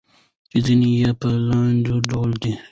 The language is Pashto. چې ځينې يې په لاندې ډول دي: